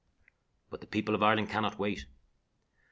But the people of Ireland cannot wait.